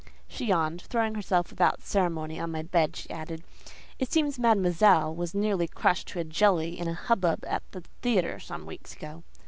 She yawned. Throwing herself without ceremony on my bed she added, "It seems Mademoiselle was nearly crushed to a jelly in a hubbub at the theatre some weeks ago."